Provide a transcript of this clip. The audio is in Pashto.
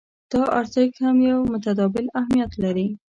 دا ارزښت هم يو متبادل اهميت لري.